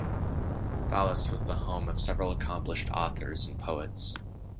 Fallis was the home of several accomplished authors and poets.